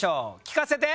聞かせて！